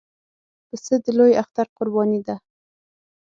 پسه د لوی اختر قرباني ده.